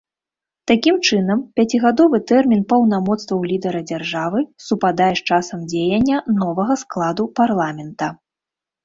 Такім чынам, пяцігадовы тэрмін паўнамоцтваў лідара дзяржавы супадае з часам дзеяння новага складу парламента.